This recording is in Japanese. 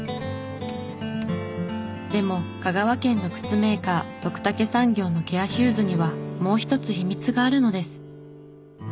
でも香川県の靴メーカー徳武産業のケアシューズにはもう一つ秘密があるのです。